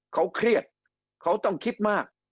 เขาเครียดเขาต้องคิดมาก